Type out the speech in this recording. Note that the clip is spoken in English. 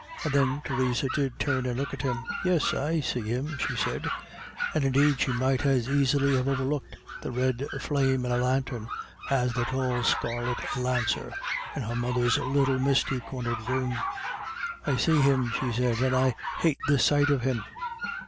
And then Theresa did turn and look at him. "Yis, I see him," she said and, indeed, she might as easily have overlooked the red flame in a lantern as the tall scarlet lancer in her mother's little misty cornered room. "I see him," she said, "and I hate the sight of him."